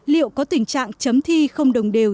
liệu có tình trạng chấm thi không đồng đều